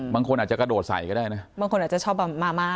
มันโคนอาจจะกระโดดใส่ได้เนี่ยมั่งคนอาจจะชอบบ้างมาม่า